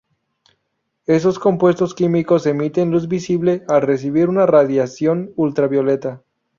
Esos compuestos químicos emiten luz visible al recibir una radiación ultravioleta.